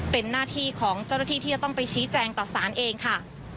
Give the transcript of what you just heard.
เป็นหน้าที่ของเจ้าหน้าที่ที่จะต้องไปชี้แจงต่อสารเองค่ะ